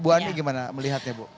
bu ani gimana melihatnya bu